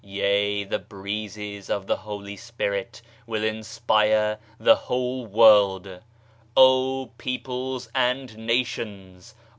Yea, the Breezes of the Holy Spirit will inspire the whole world I Oh peoples and nations